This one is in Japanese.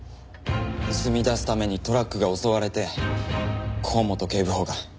盗み出すためにトラックが襲われて河本警部補が。